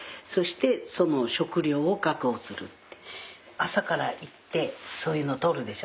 朝から行ってそういうの採るでしょ。